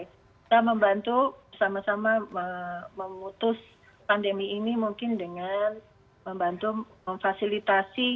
kita membantu sama sama memutus pandemi ini mungkin dengan membantu memfasilitasi